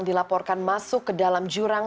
dilaporkan masuk ke dalam jurang